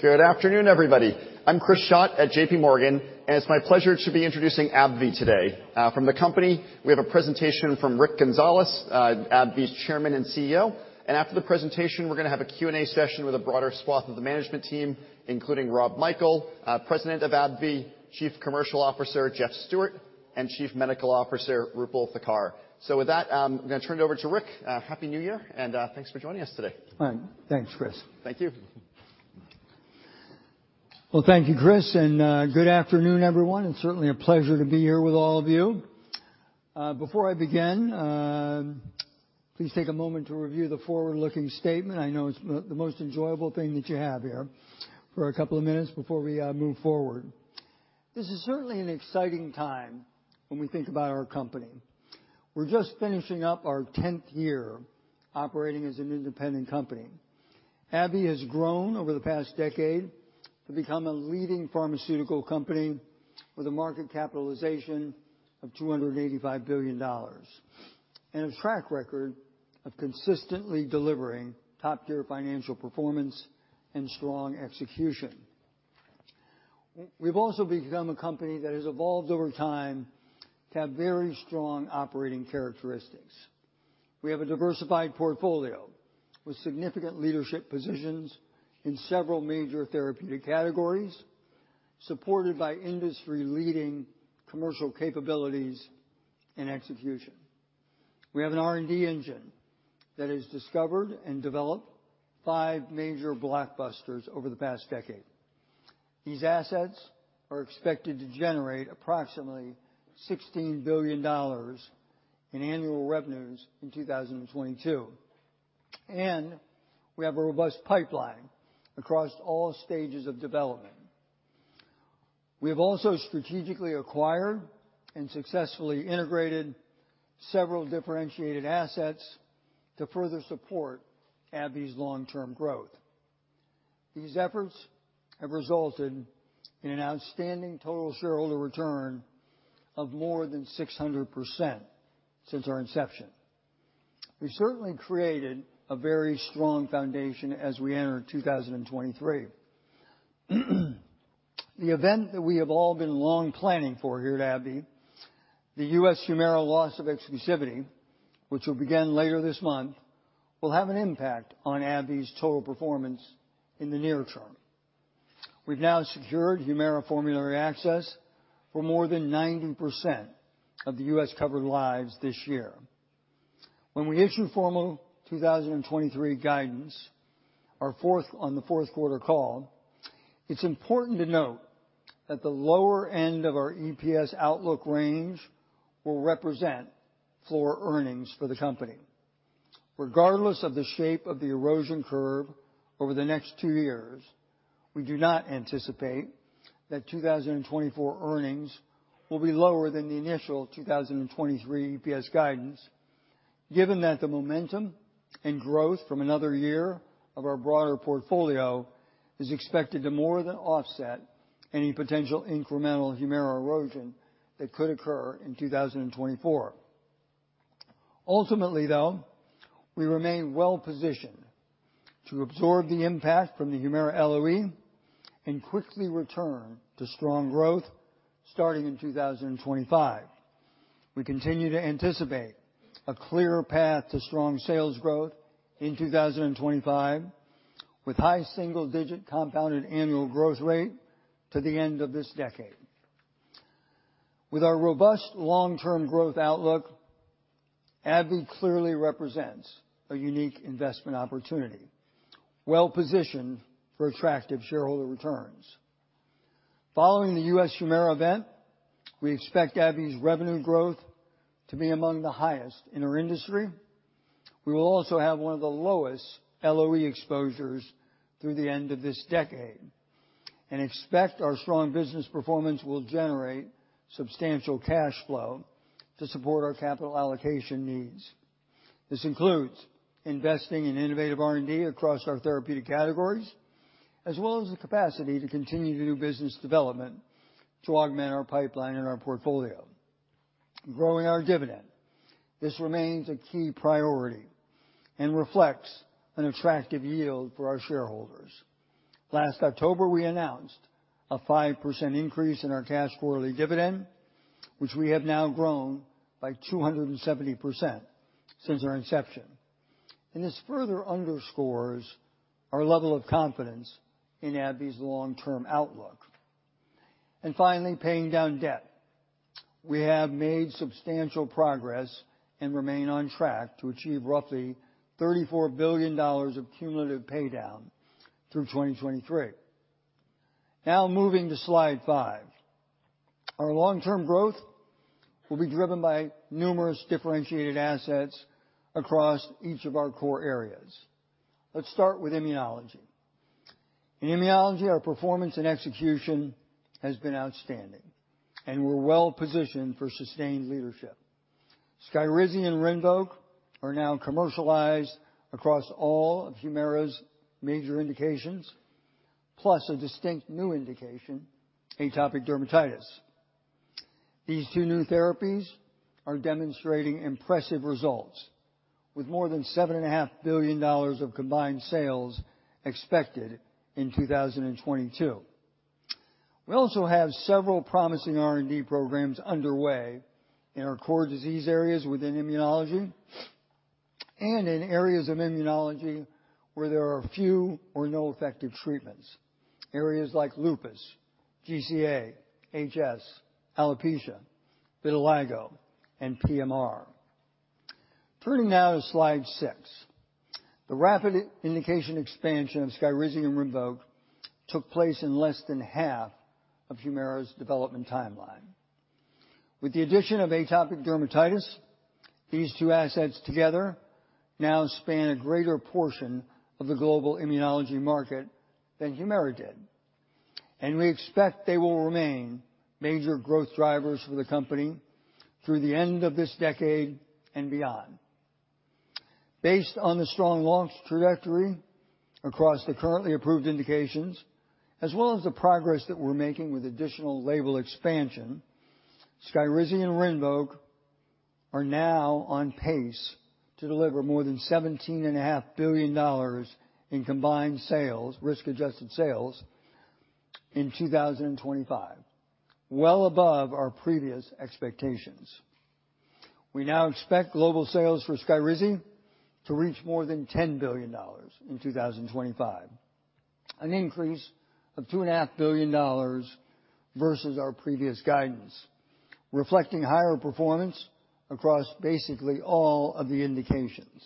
Good afternoon, everybody. I'm Chris Schott at JPMorgan. It's my pleasure to be introducing AbbVie today. From the company, we have a presentation from Rick Gonzalez, AbbVie's Chairman and CEO. After the presentation, we're gonna have a Q&A session with a broader swath of the management team, including Rob Michael, President of AbbVie, Chief Commercial Officer, Jeff Stewart, and Chief Medical Officer, Roopal Thakkar. With that, I'm gonna turn it over to Rick. Happy New Year, and thanks for joining us today. All right. Thanks, Chris. Thank you. Thank you, Chris, good afternoon, everyone. It's certainly a pleasure to be here with all of you. Before I begin, please take a moment to review the forward-looking statement. I know it's the most enjoyable thing that you have here, for a couple of minutes before we move forward. This is certainly an exciting time when we think about our company. We're just finishing up our tenth year operating as an independent company. AbbVie has grown over the past decade to become a leading pharmaceutical company with a market capitalization of $285 billion and a track record of consistently delivering top-tier financial performance and strong execution. We've also become a company that has evolved over time to have very strong operating characteristics. We have a diversified portfolio with significant leadership positions in several major therapeutic categories, supported by industry-leading commercial capabilities and execution. We have an R&D engine that has discovered and developed five major blockbusters over the past decade. These assets are expected to generate approximately $16 billion in annual revenues in 2022. We have a robust pipeline across all stages of development. We have also strategically acquired and successfully integrated several differentiated assets to further support AbbVie's long-term growth. These efforts have resulted in an outstanding total shareholder return of more than 600% since our inception. We certainly created a very strong foundation as we enter 2023. The event that we have all been long planning for here at AbbVie, the U.S. Humira loss of exclusivity, which will begin later this month, will have an impact on AbbVie's total performance in the near term. We've now secured Humira formulary access for more than 90% of the U.S. covered lives this year. When we issue formal 2023 guidance, on the fourth quarter call, it's important to note that the lower end of our EPS outlook range will represent floor earnings for the company. Regardless of the shape of the erosion curve over the next two years, we do not anticipate that 2024 earnings will be lower than the initial 2023 EPS guidance, given that the momentum and growth from another year of our broader portfolio is expected to more than offset any potential incremental HUMIRA erosion that could occur in 2024. Ultimately, though, we remain well positioned to absorb the impact from the HUMIRA LOE and quickly return to strong growth starting in 2025. We continue to anticipate a clear path to strong sales growth in 2025, with high single-digit compounded annual growth rate to the end of this decade. With our robust long-term growth outlook, AbbVie clearly represents a unique investment opportunity, well-positioned for attractive shareholder returns. Following the U.S. HUMIRA event, we expect AbbVie's revenue growth to be among the highest in our industry. We will also have one of the lowest LOE exposures through the end of this decade, expect our strong business performance will generate substantial cash flow to support our capital allocation needs. This includes investing in innovative R&D across our therapeutic categories, as well as the capacity to continue to do business development to augment our pipeline and our portfolio. Growing our dividend. This remains a key priority and reflects an attractive yield for our shareholders. Last October, we announced a 5% increase in our cash quarterly dividend, which we have now grown by 270% since our inception, this further underscores our level of confidence in AbbVie's long-term outlook. Finally, paying down debt. We have made substantial progress and remain on track to achieve roughly $34 billion of cumulative paydown through 2023. Moving to slide five. Our long-term growth will be driven by numerous differentiated assets across each of our core areas. Let's start with immunology. In immunology, our performance and execution has been outstanding, and we're well positioned for sustained leadership. SKYRIZI and RINVOQ are now commercialized across all of HUMIRA's major indications, plus a distinct new indication, atopic dermatitis. These two new therapies are demonstrating impressive results with more than seven and a half billion dollars of combined sales expected in 2022. We also have several promising R&D programs underway in our core disease areas within immunology and in areas of immunology where there are few or no effective treatments. Areas like lupus, GCA, HS, alopecia, vitiligo, and PMR. Turning now to slide six. The rapid indication expansion of SKYRIZI and RINVOQ took place in less than half of HUMIRA's development timeline. With the addition of atopic dermatitis, these two assets together now span a greater portion of the global immunology market than HUMIRA did. We expect they will remain major growth drivers for the company through the end of this decade and beyond. Based on the strong launch trajectory across the currently approved indications, as well as the progress that we're making with additional label expansion, SKYRIZI and RINVOQ are now on pace to deliver more than seventeen and a half billion dollars in combined sales, risk-adjusted sales in 2025, well above our previous expectations. We now expect global sales for SKYRIZI to reach more than $10 billion in 2025, an increase of two and a half billion dollars versus our previous guidance, reflecting higher performance across basically all of the indications.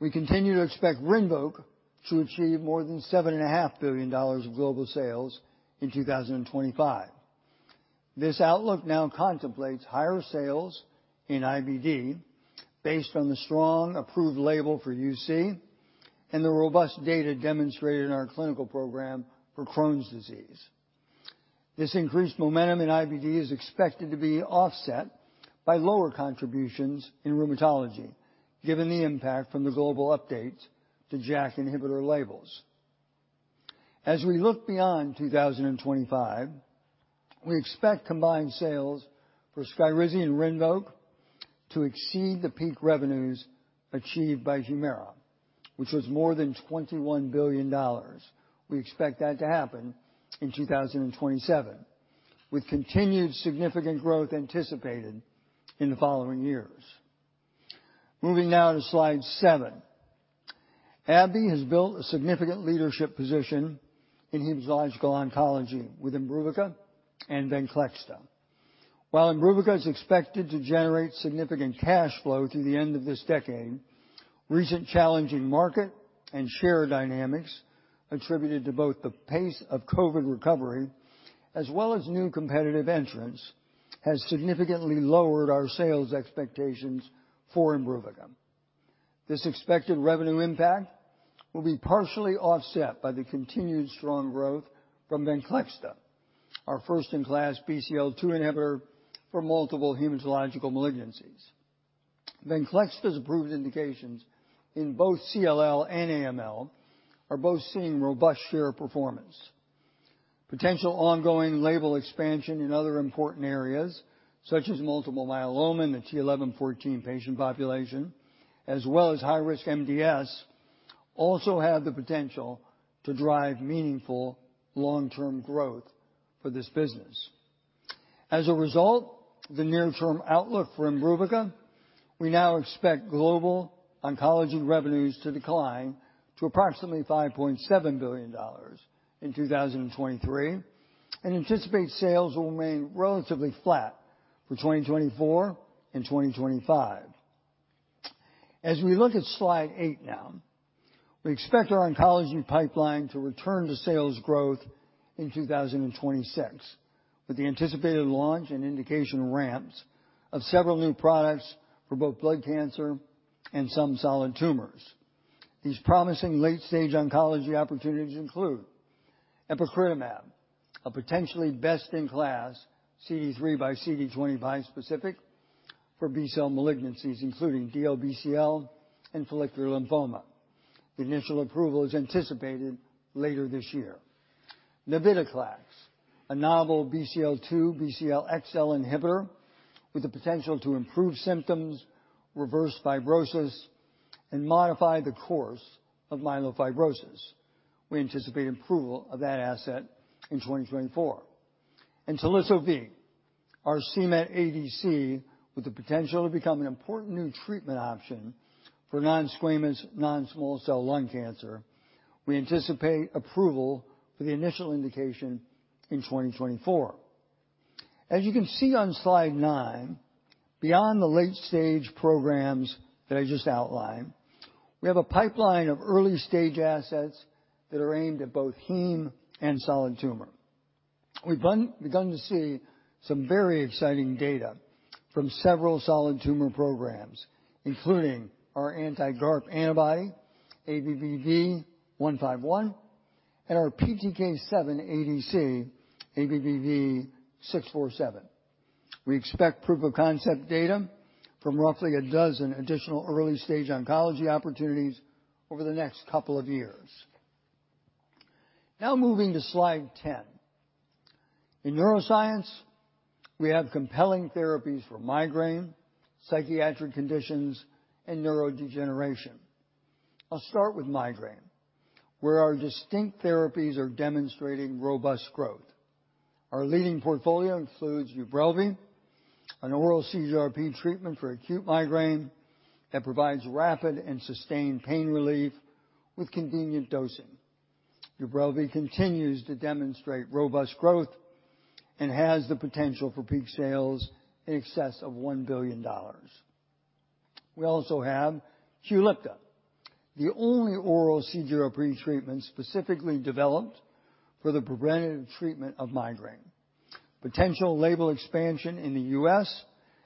We continue to expect RINVOQ to achieve more than seven and a half billion dollars of global sales in 2025. This outlook now contemplates higher sales in IBD based on the strong approved label for UC and the robust data demonstrated in our clinical program for Crohn's disease. This increased momentum in IBD is expected to be offset by lower contributions in rheumatology, given the impact from the global updates to JAK inhibitor labels. As we look beyond 2025, we expect combined sales for SKYRIZI and RINVOQ to exceed the peak revenues achieved by HUMIRA, which was more than $21 billion. We expect that to happen in 2027, with continued significant growth anticipated in the following years. Moving now to slide seven. AbbVie has built a significant leadership position in hematological oncology with IMBRUVICA and VENCLEXTA. While IMBRUVICA is expected to generate significant cash flow through the end of this decade, recent challenging market and share dynamics attributed to both the pace of COVID recovery as well as new competitive entrants, has significantly lowered our sales expectations for IMBRUVICA. This expected revenue impact will be partially offset by the continued strong growth from VENCLEXTA, our first-in-class BCL-two inhibitor for multiple hematological malignancies. VENCLEXTA's approved indications in both CLL and AML are both seeing robust share performance. Potential ongoing label expansion in other important areas such as multiple myeloma in the t(11;14) patient population, as well as high risk MDS, also have the potential to drive meaningful long-term growth for this business. As a result, the near-term outlook for IMBRUVICA, we now expect global oncology revenues to decline to approximately $5.7 billion in 2023, and anticipate sales will remain relatively flat for 2024 and 2025. As we look at slide 8 now, we expect our oncology pipeline to return to sales growth in 2026 with the anticipated launch and indication ramps of several new products for both blood cancer and some solid tumors. These promising late-stage oncology opportunities include epcoritamab, a potentially best-in-class CD3 by CD25 specific for B-cell malignancies, including DLBCL and follicular lymphoma. The initial approval is anticipated later this year. Navitoclax, a novel BCL-two, BCL-XL inhibitor with the potential to improve symptoms, reverse fibrosis, and modify the course of myelofibrosis. We anticipate approval of that asset in 2024. Teliso-V, our c-Met ADC, with the potential to become an important new treatment option for non-squamous non-small cell lung cancer. We anticipate approval for the initial indication in 2024. As you can see on slide nine, beyond the late-stage programs that I just outlined, we have a pipeline of early-stage assets that are aimed at both heme and solid tumor. We've begun to see some very exciting data from several solid tumor programs, including our anti-GARP antibody, ABBV-151, and our PTK7 ADC, ABBV-647. We expect proof-of-concept data from roughly a dozen additional early-stage oncology opportunities over the next couple of years. Now moving to slide 10. In neuroscience, we have compelling therapies for migraine, psychiatric conditions, and neurodegeneration. I'll start with migraine, where our distinct therapies are demonstrating robust growth. Our leading portfolio includes UBRELVY, an oral CGRP treatment for acute migraine that provides rapid and sustained pain relief with convenient dosing. UBRELVY continues to demonstrate robust growth and has the potential for peak sales in excess of $1 billion. We also have QULIPTA, the only oral CGRP treatment specifically developed for the preventative treatment of migraine. Potential label expansion in the U.S.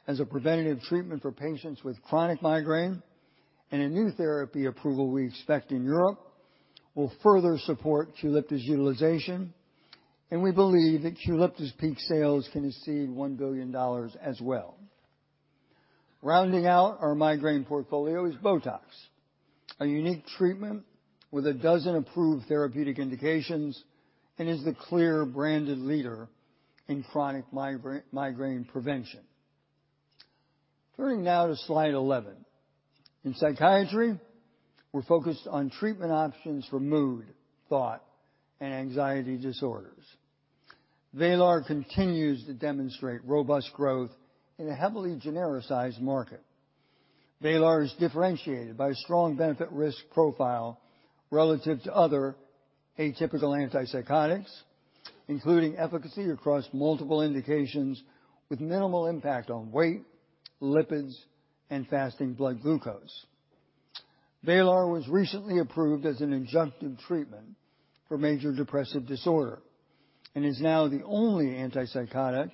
as a preventative treatment for patients with chronic migraine and a new therapy approval we expect in Europe will further support QULIPTA's utilization, and we believe that QULIPTA's peak sales can exceed $1 billion as well. Rounding out our migraine portfolio is BOTOX, a unique treatment with a dozen approved therapeutic indications and is the clear branded leader in chronic migraine prevention. Turning now to slide 11. In psychiatry, we're focused on treatment options for mood, thought, and anxiety disorders. VRAYLAR continues to demonstrate robust growth in a heavily genericized market. VRAYLAR is differentiated by strong benefit risk profile relative to other atypical antipsychotics, including efficacy across multiple indications with minimal impact on weight, lipids, and fasting blood glucose. VRAYLAR was recently approved as an adjunctive treatment for major depressive disorder and is now the only antipsychotic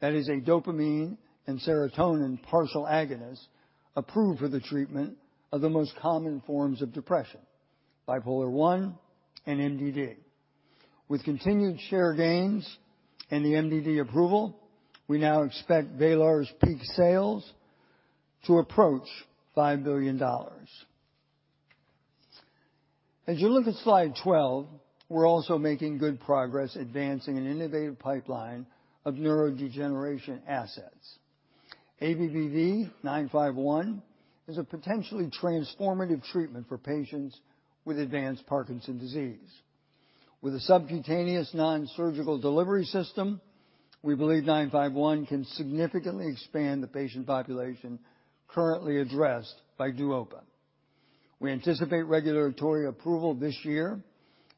that is a dopamine and serotonin partial agonist approved for the treatment of the most common forms of depression, bipolar I and MDD. With continued share gains and the MDD approval, we now expect VRAYLAR's peak sales to approach $5 billion. As you look at slide 12, we're also making good progress advancing an innovative pipeline of neurodegeneration assets. ABBV-951 is a potentially transformative treatment for patients with advanced Parkinson's disease. With a subcutaneous nonsurgical delivery system, we believe 951 can significantly expand the patient population currently addressed by DUOPA. We anticipate regulatory approval this year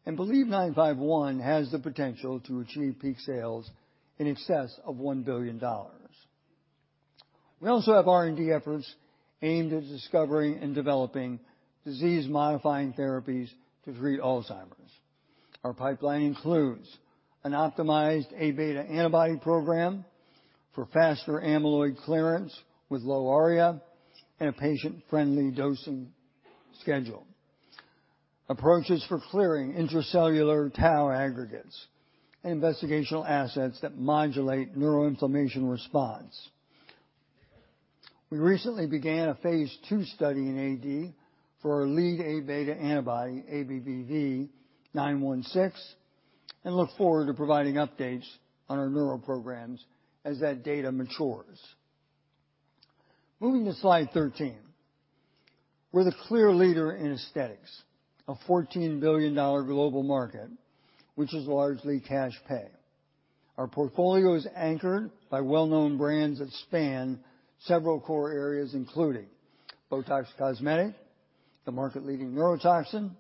and believe 951 has the potential to achieve peak sales in excess of $1 billion. We also have R&D efforts aimed at discovering and developing disease-modifying therapies to treat Alzheimer's. Our pipeline includes an optimized A-beta antibody program for faster amyloid clearance with low ARIA and a patient-friendly dosing schedule. Approaches for clearing intracellular tau aggregates. Investigational assets that modulate neuroinflammation response. We recently began a phase two study in AD for our lead A-beta antibody, ABBV-916, and look forward to providing updates on our neural programs as that data matures. Moving to slide 13. We're the clear leader in aesthetics, a $14 billion global market, which is largely cash pay. Our portfolio is anchored by well-known brands that span several core areas, including BOTOX Cosmetic, the market-leading neurotoxin,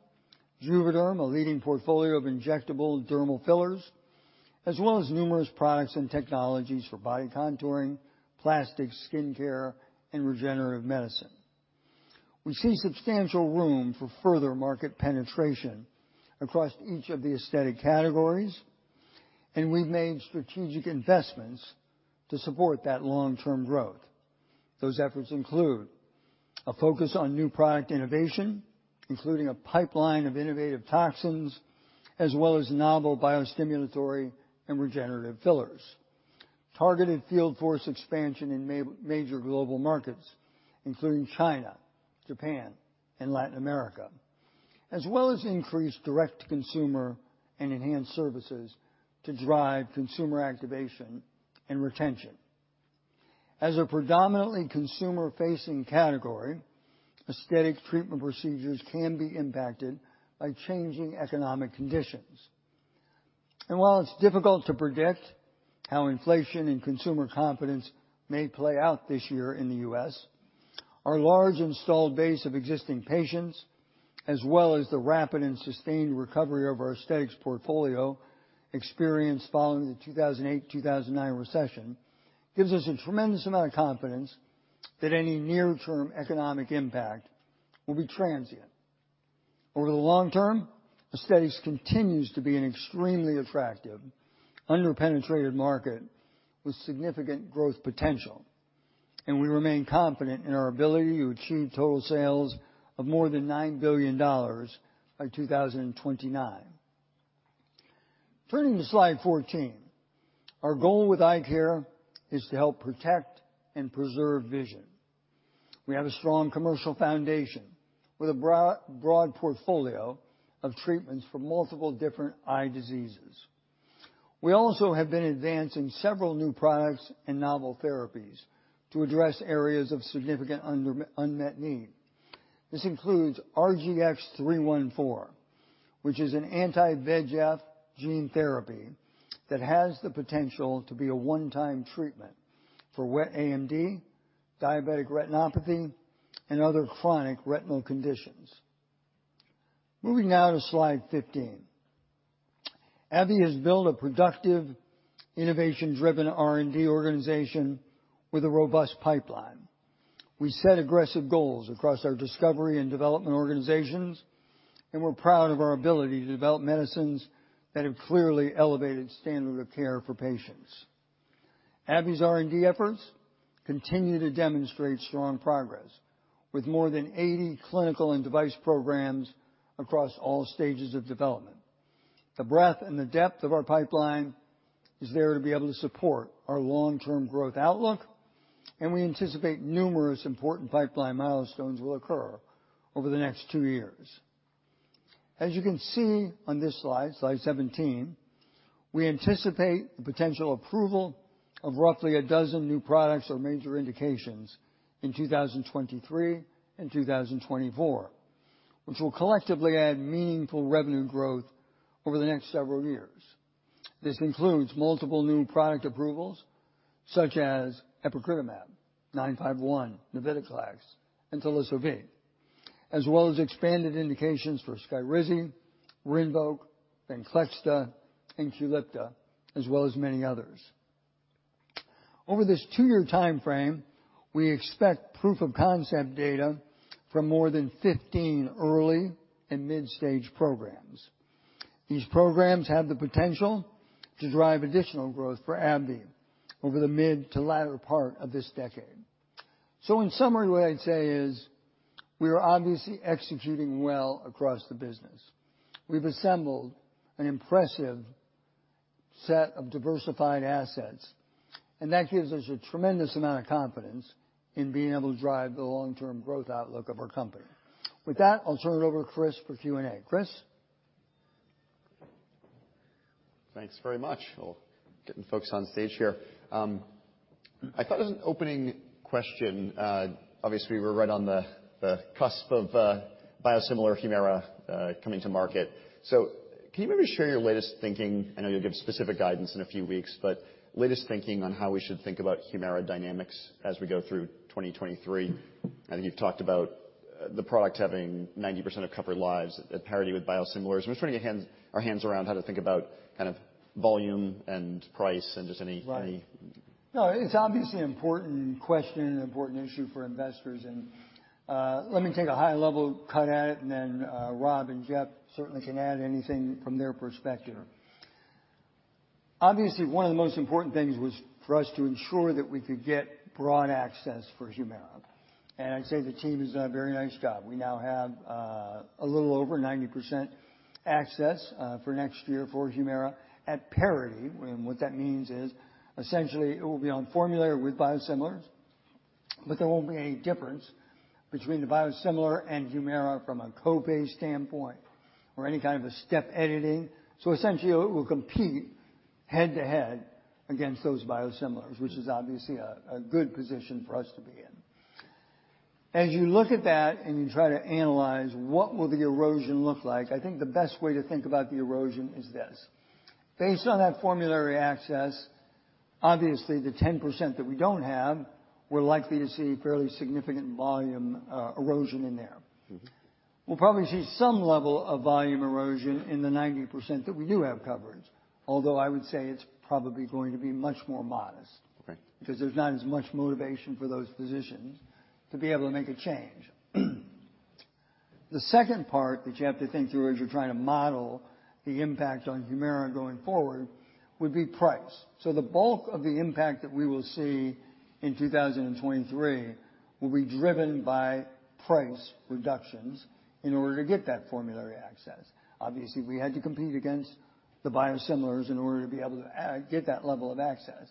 JUVÉDERM, a leading portfolio of injectable dermal fillers, as well as numerous products and technologies for body contouring, plastics, skin care, and regenerative medicine. We see substantial room for further market penetration across each of the aesthetic categories, and we've made strategic investments to support that long-term growth. Those efforts include a focus on new product innovation, including a pipeline of innovative toxins, as well as novel biostimulatory and regenerative fillers. Targeted field force expansion in major global markets, including China, Japan, and Latin America. As well as increased direct-to-consumer and enhanced services to drive consumer activation and retention. As a predominantly consumer-facing category, aesthetic treatment procedures can be impacted by changing economic conditions. While it's difficult to predict how inflation and consumer confidence may play out this year in the U.S., our large installed base of existing patients, as well as the rapid and sustained recovery of our aesthetics portfolio experienced following the 2008, 2009 recession, gives us a tremendous amount of confidence that any near-term economic impact will be transient. Over the long term, aesthetics continues to be an extremely attractive, underpenetrated market with significant growth potential, and we remain confident in our ability to achieve total sales of more than $9 billion by 2029. Turning to slide 14. Our goal with eye care is to help protect and preserve vision. We have a strong commercial foundation with a broad portfolio of treatments for multiple different eye diseases. We also have been advancing several new products and novel therapies to address areas of significant unmet need. This includes RGX-314, which is an anti-VEGF gene therapy that has the potential to be a one-time treatment for wet AMD, diabetic retinopathy, and other chronic retinal conditions. Moving now to slide 15. AbbVie has built a productive, innovation-driven R&D organization with a robust pipeline. We set aggressive goals across our discovery and development organizations, we're proud of our ability to develop medicines that have clearly elevated standard of care for patients. AbbVie's R&D efforts continue to demonstrate strong progress with more than 80 clinical and device programs across all stages of development. The breadth and the depth of our pipeline is there to be able to support our long-term growth outlook, and we anticipate numerous important pipeline milestones will occur over the next two years. As you can see on this slide 17, we anticipate the potential approval of roughly 12 new products or major indications in 2023 and 2024, which will collectively add meaningful revenue growth over the next several years. This includes multiple new product approvals such as epcoritamab, 951, Navitoclax, and Teliso-V, as well as expanded indications for SKYRIZI, RINVOQ, VENCLEXTA, and QULIPTA, as well as many others. Over this 2-year timeframe, we expect proof of concept data from more than 15 early and midstage programs. These programs have the potential to drive additional growth for AbbVie over the mid to latter part of this decade. In summary, what I'd say is we are obviously executing well across the business. We've assembled an impressive set of diversified assets, and that gives us a tremendous amount of confidence in being able to drive the long-term growth outlook of our company. With that, I'll turn it over to Chris for Q&A. Chris? Thanks very much. We're getting folks on stage here. I thought as an opening question, obviously, we're right on the cusp of biosimilar Humira coming to market. Can you maybe share your latest thinking? I know you'll give specific guidance in a few weeks, but latest thinking on how we should think about Humira dynamics as we go through 2023. I think you've talked about the product having 90% of covered lives at parity with biosimilars. I'm just trying to get our hands around how to think about kind of volume and price and just any. Right. No, it's obviously an important question, an important issue for investors. Let me take a high-level cut at it, then Rob and Jeff certainly can add anything from their perspective. Obviously, one of the most important things was for us to ensure that we could get broad access for HUMIRA. I'd say the team has done a very nice job. We now have a little over 90% access for next year for HUMIRA at parity. What that means is, essentially it will be on formulary with biosimilars, but there won't be any difference between the biosimilar and HUMIRA from a copay standpoint or any kind of a step editing. Essentially it will compete head-to-head against those biosimilars, which is obviously a good position for us to be in. As you look at that and you try to analyze what will the erosion look like, I think the best way to think about the erosion is this: based on that formulary access, obviously the 10% that we don't have, we're likely to see fairly significant volume, erosion in there. We'll probably see some level of volume erosion in the 90% that we do have coverage. Although I would say it's probably going to be much more modest- Right Because there's not as much motivation for those physicians to be able to make a change. The second part that you have to think through as you're trying to model the impact on Humira going forward would be price. The bulk of the impact that we will see in 2023 will be driven by price reductions in order to get that formulary access. Obviously, we had to compete against the biosimilars in order to be able to get that level of access.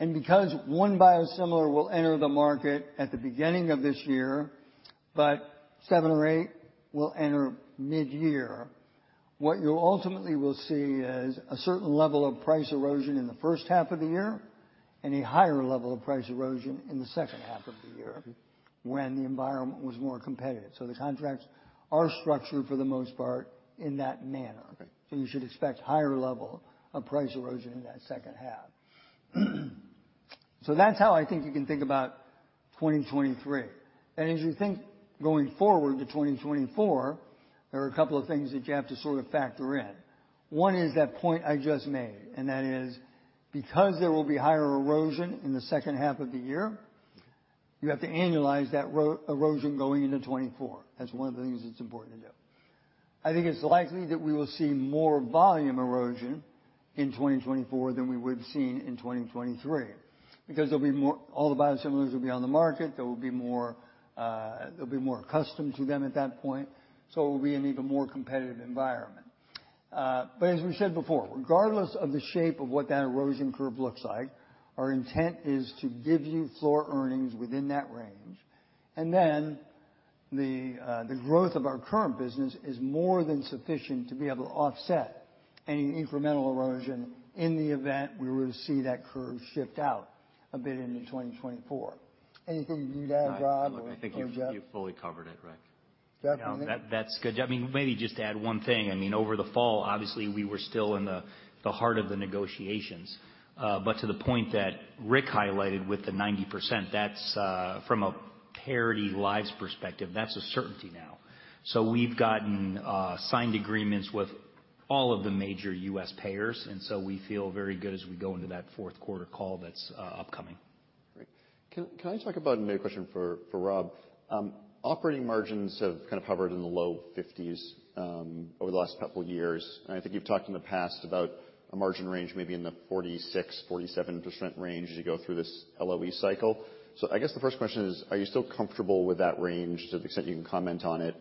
Because one biosimilar will enter the market at the beginning of this year, but seven or eight will enter mid-year, what you ultimately will see is a certain level of price erosion in the first half of the year and a higher level of price erosion in the second half of the year. When the environment was more competitive. The contracts are structured for the most part in that manner. You should expect higher level of price erosion in that second half. That's how I think you can think about 2023. As you think going forward to 2024, there are a couple of things that you have to sort of factor in. One is that point I just made, and that is because there will be higher erosion in the second half of the year, you have to annualize that erosion going into 2024. That's one of the things that's important to do. I think it's likely that we will see more volume erosion in 2024 than we would've seen in 2023. Because there'll be all the biosimilars will be on the market. There will be more, they'll be more accustomed to them at that point, so it will be an even more competitive environment. As we said before, regardless of the shape of what that erosion curve looks like, our intent is to give you floor earnings within that range. The growth of our current business is more than sufficient to be able to offset any incremental erosion in the event we were to see that curve shift out a bit into 2024. Anything you'd add, Rob or Jeff? I think you've fully covered it, Rick. Jeff? That's good. I mean, maybe just add one thing. I mean, over the fall, obviously, we were still in the heart of the negotiations. To the point that Rick highlighted with the 90%, that's from a parity lives perspective, that's a certainty now. We've gotten signed agreements with all of the major U.S. payers, we feel very good as we go into that fourth quarter call that's upcoming. Great. Can I talk about maybe a question for Rob. Operating margins have kind of hovered in the low 50s% over the last couple years. I think you've talked in the past about a margin range maybe in the 46%-47% range as you go through this LOE cycle. I guess the first question is, are you still comfortable with that range to the extent you can comment on it?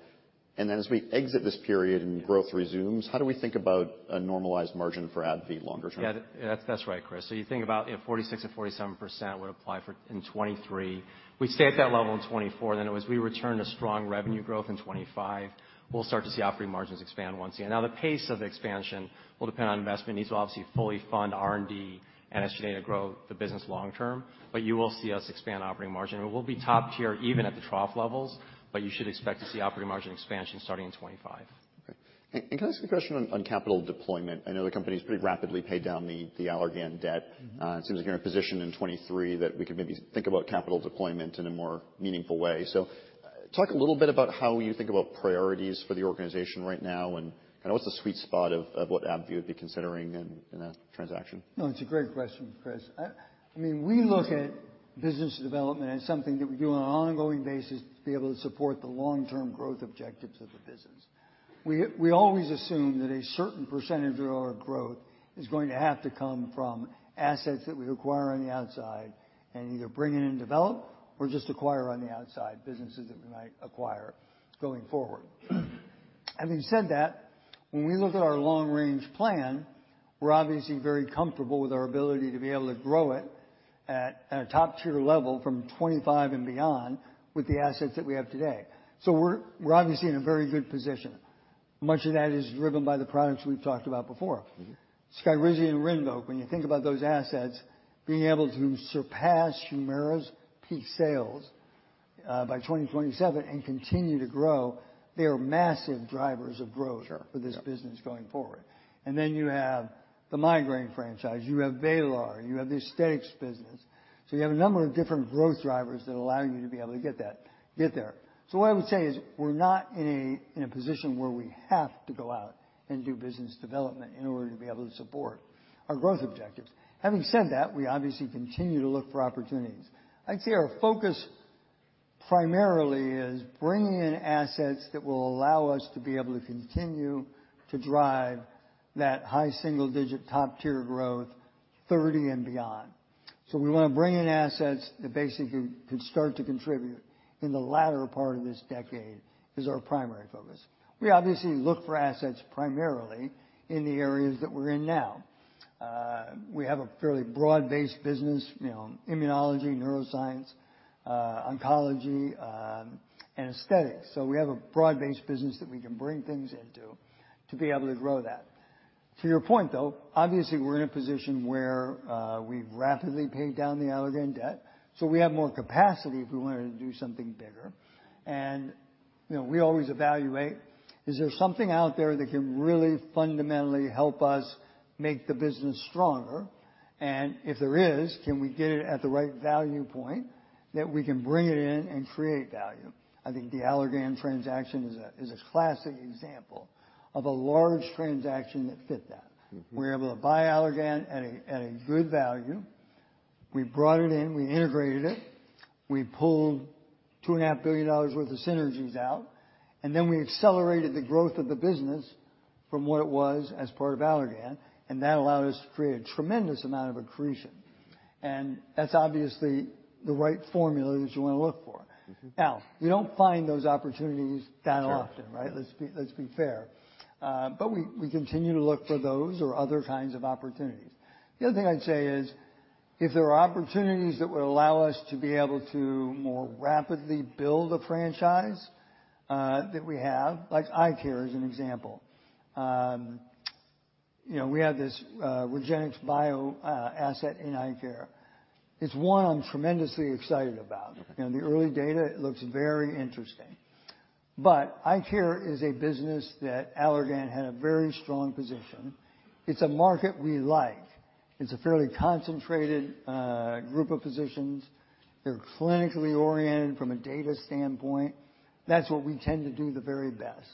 As we exit this period and growth resumes, how do we think about a normalized margin for AbbVie longer term? That's right, Chris. You think about, you know, 46% and 47% would apply for in 2023. We stay at that level in 2024. As we return to strong revenue growth in 2025, we'll start to see operating margins expand once again. The pace of expansion will depend on investment. Needs to obviously fully fund R&D and SG&A to grow the business long term. You will see us expand operating margin. We'll be top tier even at the trough levels, you should expect to see operating margin expansion starting in 2025. Okay. can I ask a question on capital deployment? I know the company's pretty rapidly paid down the Allergan debt. It seems like you're in a position in 23 that we could maybe think about capital deployment in a more meaningful way. Talk a little bit about how you think about priorities for the organization right now and kind of what's the sweet spot of what AbbVie would be considering in a transaction. It's a great question, Chris. I mean, we look at business development as something that we do on an ongoing basis to be able to support the long-term growth objectives of the business. We always assume that a certain % of our growth is going to have to come from assets that we acquire on the outside and either bring in and develop or just acquire on the outside, businesses that we might acquire going forward. Having said that, when we look at our long-range plan, we're obviously very comfortable with our ability to be able to grow it at a top-tier level from 25 and beyond with the assets that we have today. We're obviously in a very good position. Much of that is driven by the products we've talked about before. SKYRIZI and RINVOQ, when you think about those assets, being able to surpass HUMIRA's peak sales by 2027 and continue to grow, they are massive drivers of growth for this business going forward. Then you have the migraine franchise, you have VRAYLAR, you have the aesthetics business. You have a number of different growth drivers that allow you to be able to get that, get there. What I would say is we're not in a position where we have to go out and do business development in order to be able to support our growth objectives. Having said that, we obviously continue to look for opportunities. I'd say our focus primarily is bringing in assets that will allow us to be able to continue to drive that high single-digit, top-tier growth 2030 and beyond. We wanna bring in assets that basically can start to contribute in the latter part of this decade, is our primary focus. We obviously look for assets primarily in the areas that we're in now. We have a fairly broad-based business, you know, immunology, neuroscience, oncology, and aesthetics. We have a broad-based business that we can bring things into to be able to grow that. To your point, though, obviously we're in a position where we've rapidly paid down the Allergan debt, so we have more capacity if we wanted to do something bigger. You know, we always evaluate, is there something out there that can really fundamentally help us make the business stronger? If there is, can we get it at the right value point that we can bring it in and create value? I think the Allergan transaction is a classic example of a large transaction that fit that. We were able to buy Allergan at a good value. We brought it in, we integrated it, we pulled two and a half billion dollars worth of synergies out. We accelerated the growth of the business from what it was as part of Allergan. That allowed us to create a tremendous amount of accretion. That's obviously the right formula that you wanna look for. We don't find those opportunities that often, right? Let's be fair. We continue to look for those or other kinds of opportunities. The other thing I'd say is, if there are opportunities that would allow us to be able to more rapidly build a franchise that we have, like eye care as an example. You know, we have this REGENXBIO asset in eye care. It's one I'm tremendously excited about. You know, the early data looks very interesting. Eye care is a business that Allergan had a very strong position. It's a market we like. It's a fairly concentrated group of physicians. They're clinically oriented from a data standpoint. That's what we tend to do the very best.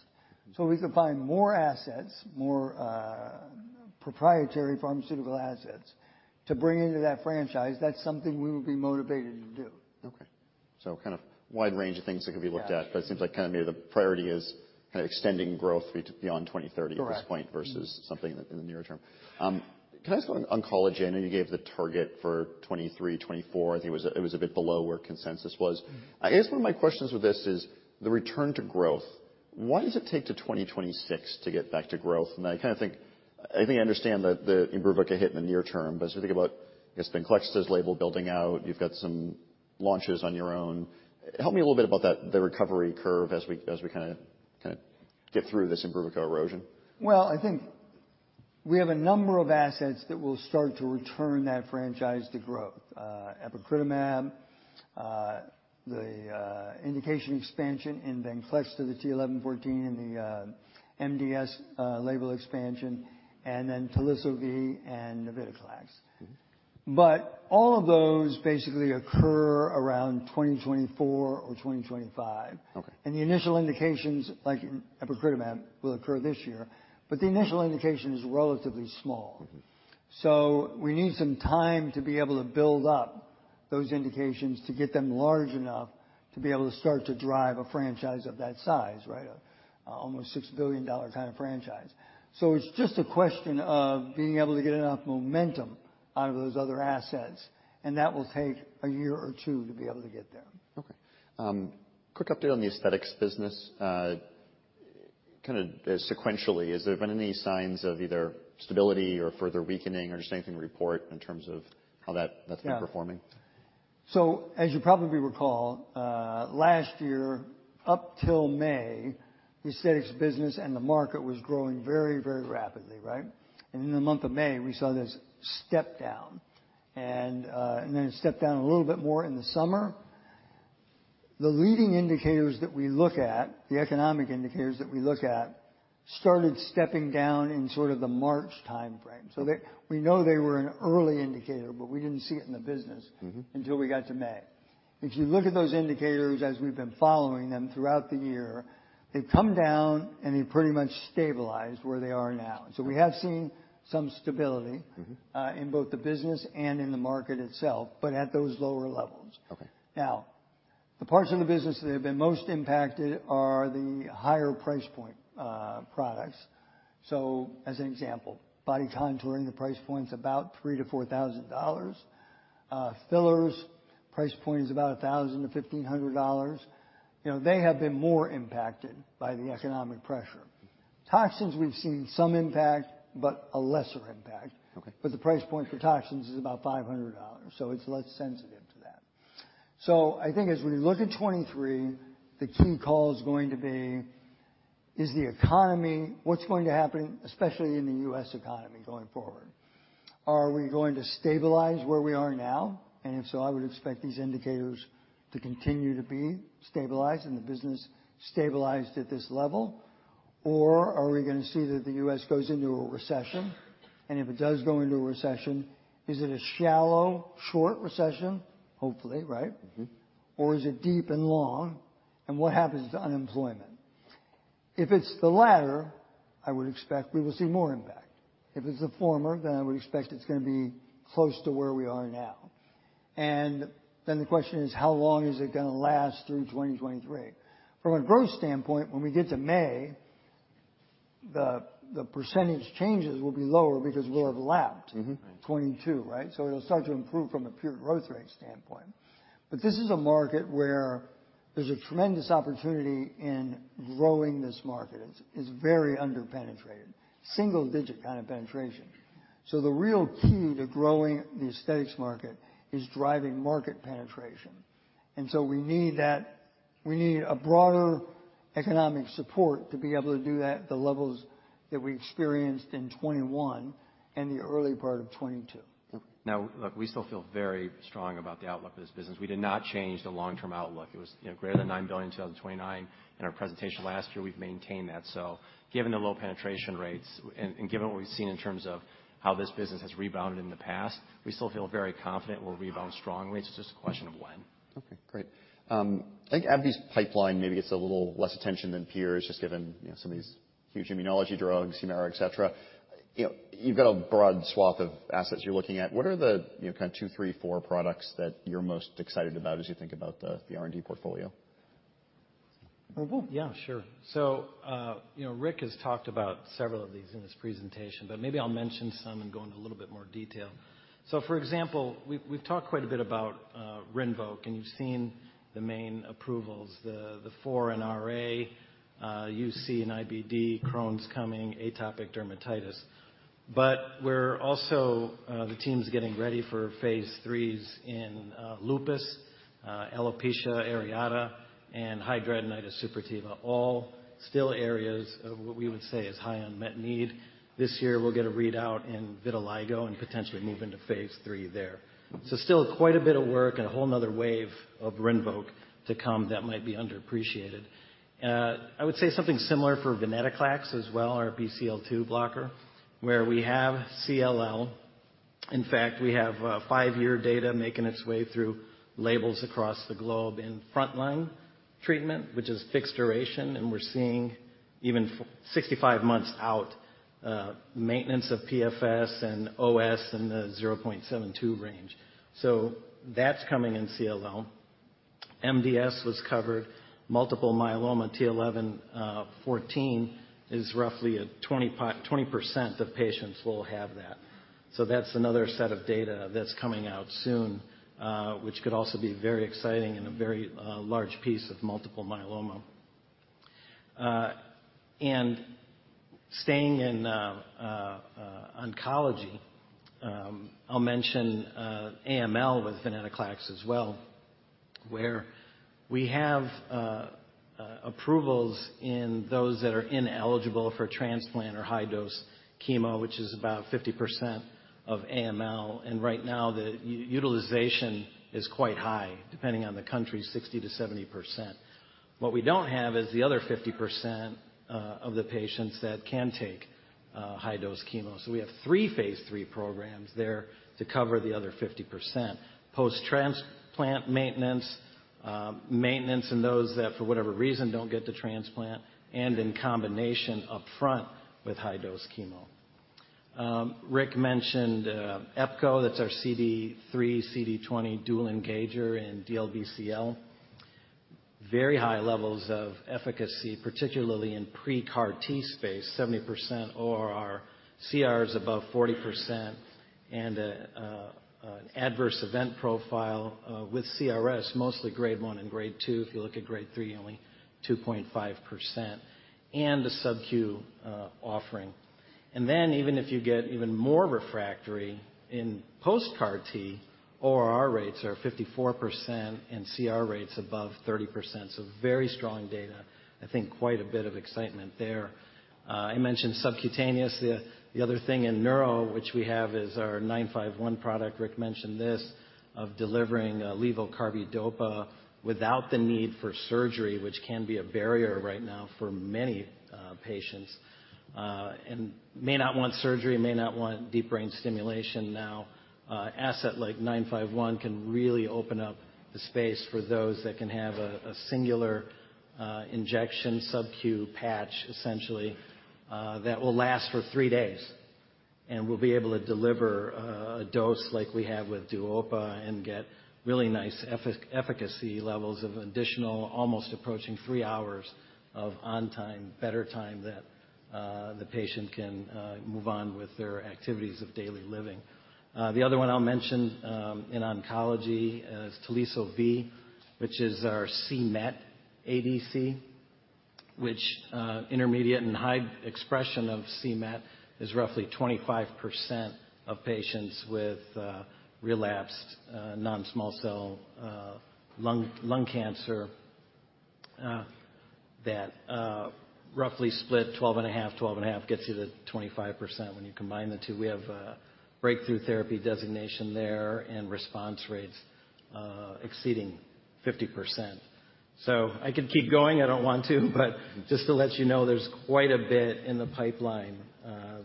If we can find more assets, more proprietary pharmaceutical assets to bring into that franchise, that's something we would be motivated to do. Kind of wide range of things that could be looked at. Yeah. It seems like kind of maybe the priority is kind of extending growth beyond 2030. Correct. -at this point, versus something in the near term. Can I ask one on oncology? I know you gave the target for 2023, 2024. I think it was a bit below where consensus was. I guess one of my questions with this is the return to growth. Why does it take to 2026 to get back to growth? I think I understand the IMBRUVICA hit in the near term, but as you think about, I guess, VENCLEXTA's label building out, you've got some launches on your own. Help me a little bit about that, the recovery curve as we kinda get through this IMBRUVICA erosion. I think we have a number of assets that will start to return that franchise to growth. epcoritamab, the indication expansion in VENCLEXTA to the t(11;14) and the MDS label expansion, and then Teliso-V and venetoclax. But all of those basically occur around 2024 or 2025. Okay. The initial indications, like epcoritamabt, will occur this year, but the initial indication is relatively small. We need some time to be able to build up those indications to get them large enough to be able to start to drive a franchise of that size, right? Almost $6 billion kind of franchise. It's just a question of being able to get enough momentum out of those other assets, and that will take a year or two to be able to get there. Quick update on the aesthetics business. Kinda sequentially, has there been any signs of either stability or further weakening or just anything to report? Yeah. that's been performing? As you probably recall, last year up till May, the aesthetics business and the market was growing very, very rapidly, right? In the month of May, we saw this step-down and then it stepped down a little bit more in the summer. The leading indicators that we look at, the economic indicators that we look at, started stepping down in sort of the March timeframe. We know they were an early indicator, but we didn't see it in the business. Until we got to May. If you look at those indicators as we've been following them throughout the year, they've come down, and they pretty much stabilized where they are now. We have seen some stability. In both the business and in the market itself, but at those lower levels. Okay. The parts of the business that have been most impacted are the higher price point, products. As an example, body contouring, the price point's about $3,000-$4,000. Fillers, price point is about $1,000-$1,500. You know, they have been more impacted by the economic pressure. Toxins, we've seen some impact, but a lesser impact. Okay. The price point for toxins is about $500, so it's less sensitive to that. I think as when you look at 2023, the key call is going to be is the economy, what's going to happen, especially in the U.S. economy going forward? Are we going to stabilize where we are now? If so, I would expect these indicators to continue to be stabilized and the business stabilized at this level. Are we gonna see that the U.S. goes into a recession? If it does go into a recession, is it a shallow, short recession, hopefully, right? Is it deep and long, and what happens to unemployment? If it's the latter, I would expect we will see more impact. If it's the former, I would expect it's gonna be close to where we are now. The question is how long is it gonna last through 2023. From a growth standpoint, when we get to May, the % changes will be lower because we'll have. Right. 22, right? It'll start to improve from a pure growth rate standpoint. This is a market where there's a tremendous opportunity in growing this market. It's very under-penetrated. Single-digit kind of penetration. The real key to growing the aesthetics market is driving market penetration. We need a broader economic support to be able to do that at the levels that we experienced in 21 and the early part of 22. Okay. Look, we still feel very strong about the outlook of this business. We did not change the long-term outlook. It was, you know, greater than $9 billion in 2029 in our presentation last year. We've maintained that. Given the low penetration rates and given what we've seen in terms of how this business has rebounded in the past, we still feel very confident we'll rebound strongly. It's just a question of when. Okay, great. I think AbbVie's pipeline maybe gets a little less attention than peers just given, you know, some of these huge immunology drugs, Humira, et cetera. You know, you've got a broad swath of assets you're looking at. What are the, you know, kinda two, three, four products that you're most excited about as you think about the R&D portfolio? Yeah, sure. You know, Rick has talked about several of these in his presentation, but maybe I'll mention some and go into a little bit more detail. For example, we've talked quite a bit about RINVOQ, and you've seen the main approvals, the 4 sNDA, UC and IBD, Crohn's coming, atopic dermatitis. We're also, the team's getting ready for phase 3s in lupus, alopecia areata, and hidradenitis suppurativa. All still areas of what we would say is high unmet need. This year, we'll get a readout in vitiligo and potentially move into phase three there. Still quite a bit of work and a whole another wave of RINVOQ to come that might be underappreciated. I would say something similar for venetoclax as well, our BCL-2 blocker, where we have CLL. In fact, we have, five-year data making its way through labels across the globe in frontline. Treatment, which is fixed duration, and we're seeing even 65 months out, maintenance of PFS and OS in the 0.72 range. That's coming in CLL. MDS was covered. Multiple myeloma T11, 14 is roughly at 20% of patients will have that. That's another set of data that's coming out soon, which could also be very exciting and a very large piece of multiple myeloma. Staying in oncology, I'll mention AML with venetoclax as well, where we have approvals in those that are ineligible for transplant or high dose chemo, which is about 50% of AML. Right now, the utilization is quite high, depending on the country, 60%-70%. What we don't have is the other 50% of the patients that can take high-dose chemo. We have three phase three programs there to cover the other 50%. Post-transplant maintenance in those that, for whatever reason, don't get to transplant, and in combination upfront with high-dose chemo. Rick mentioned EPKINLY. That's our CD3/CD20 dual engager in DLBCL. Very high levels of efficacy, particularly in pre-CAR T space, 70% ORR. CR is above 40% and an adverse event profile with CRS, mostly grade one and grade two. If you look at grade three, only 2.5%, and a subq offering. Even if you get even more refractory in post-CAR T, ORR rates are 54% and CR rates above 30%. Very strong data. I think quite a bit of excitement there. I mentioned subcutaneous. The other thing in neuro which we have is our ABBV-951 product. Rick mentioned this, of delivering levodopa/carbidopa without the need for surgery, which can be a barrier right now for many patients. May not want surgery, may not want deep brain stimulation now. An asset like ABBV-951 can really open up the space for those that can have a singular injection subcutaneous patch, essentially, that will last for three days. We'll be able to deliver a dose like we have with DUOPA and get really nice efficacy levels of additional almost approaching three hours of on time, better time that the patient can move on with their activities of daily living. The other one I'll mention in oncology is Teliso-V, which is our c-Met ADC, which intermediate and high expression of c-Met is roughly 25% of patients with relapsed non-small cell lung cancer that roughly split 12.5, 12.5 gets you to 25% when you combine the two. We have a Breakthrough Therapy designation there and response rates exceeding 50%. I could keep going. I don't want to, but just to let you know, there's quite a bit in the pipeline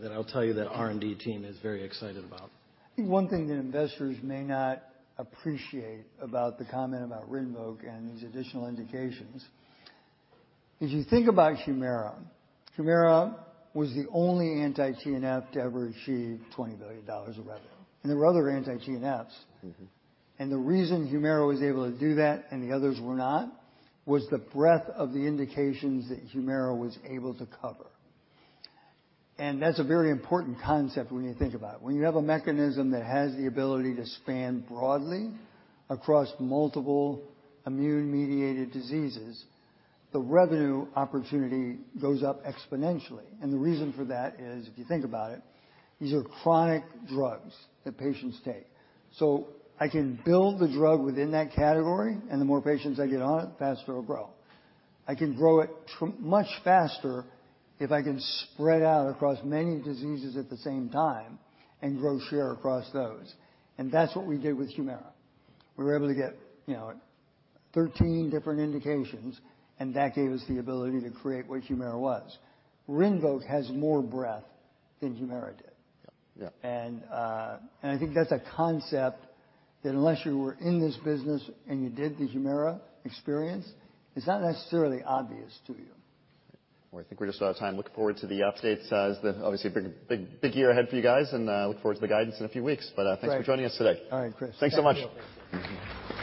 that I'll tell you that our R&D team is very excited about. I think one thing that investors may not appreciate about the comment about RINVOQ and these additional indications. If you think about HUMIRA was the only anti-TNF to ever achieve $20 billion of revenue. There were other anti-TNFs. The reason HUMIRA was able to do that and the others were not, was the breadth of the indications that HUMIRA was able to cover. That's a very important concept when you think about it. When you have a mechanism that has the ability to span broadly across multiple immune-mediated diseases, the revenue opportunity goes up exponentially. The reason for that is, if you think about it, these are chronic drugs that patients take. So I can build the drug within that category, and the more patients I get on it, the faster it'll grow. I can grow it much faster if I can spread out across many diseases at the same time and grow share across those. That's what we did with HUMIRA. We were able to get, you know, 13 different indications, and that gave us the ability to create what HUMIRA was. RINVOQ has more breadth than HUMIRA did. Yep. I think that's a concept that unless you were in this business and you did the HUMIRA experience, it's not necessarily obvious to you. Well, I think we're just about time. Looking forward to the updates as obviously a big, big year ahead for you guys, and I look forward to the guidance in a few weeks. Right. Thanks for joining us today. All right, Chris. Thanks so much. Thank you.